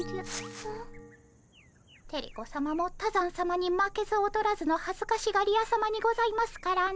テレ子さまも多山さまに負けず劣らずのはずかしがり屋さまにございますからね。